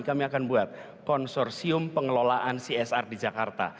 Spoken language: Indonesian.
kami akan buat konsorsium pengelolaan csr di jakarta